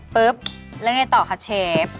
ปุ๊บแล้วไงต่อคะเชฟ